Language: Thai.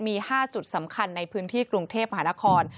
มี๕จุดสำคัญในพื้นที่กรุงเทพมหานคร